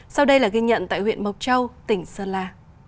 sau đây là ghi nhận tại huyện mộc châu tỉnh sơn la